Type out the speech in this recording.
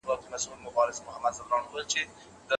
کمپيوټر د پوليس مرسته کوي.